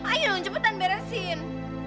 ayo dong cepetan beresin